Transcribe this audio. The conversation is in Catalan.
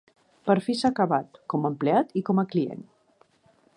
Per fi s'ha acabat, com a empleat i com a client!